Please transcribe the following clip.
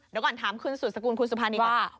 เดี๋ยวก่อนถามคุณสูตรสกุลคุณสุภัณฑ์นี้ดีกว่าว่า